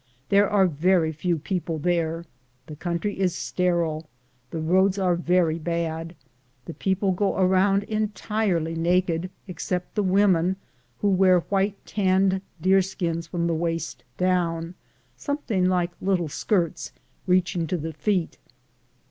There are very few people there ; the coun try is sterile ; the roads are very bad. The people go around entirely naked, except the women, who wear white tanned deer skins from the waist down, something like little skirts, reaching to the feet.